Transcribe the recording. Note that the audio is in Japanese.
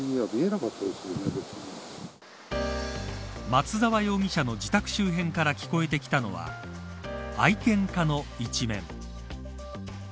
松沢容疑者の自宅周辺から聞こえてきたのは愛犬家の一面。